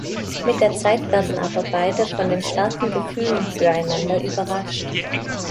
Mit der Zeit werden aber beide von den starken Gefühlen füreinander überrascht.